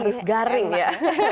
harus garing ya